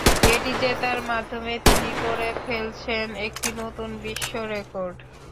এটি জেতার মাধ্যমে, তিনি গড়ে ফেলছেন একটি নতুন বিশ্বরেকর্ড!